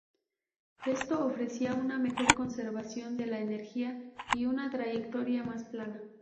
Esto ofrecía una mejor conservación de la energía y una trayectoria más plana.